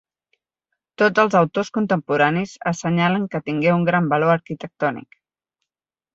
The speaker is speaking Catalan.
Tots els autors contemporanis assenyalen que tingué un gran valor arquitectònic.